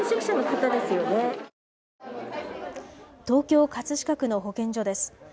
東京葛飾区の保健所です。